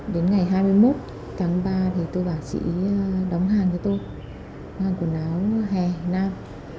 đến ngày hai mươi một tháng ba thì tôi bảo chị đóng hàng cho tôi mang quần áo hè nam